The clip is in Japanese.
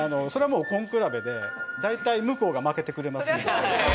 それはもう根比べで大体向こうが負けてくれますので。